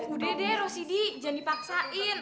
udah deh rosidi jangan dipaksain